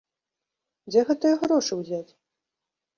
Дзе гэтыя грошы ўзяць?